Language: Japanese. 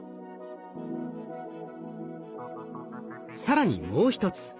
更にもう一つ。